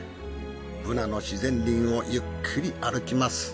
ブナの自然林をゆっくり歩きます。